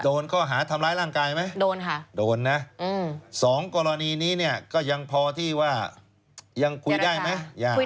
โดนข้อหาทำร้ายร่างกายไหมโดนค่ะโดนนะสองกรณีนี้เนี่ยก็ยังพอที่ว่ายังคุยได้ไหมยัง